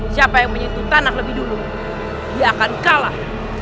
siapa yang menyentuh tanah lebih dulu dia akan kalah